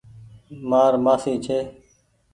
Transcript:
مآر مآسي ڇي۔